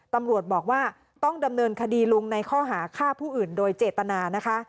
ตำรวจบอกว่าต้องดำเนินคดีลุงในข้อหาฆ่าผู้อื่นโดยเจตนานะคะ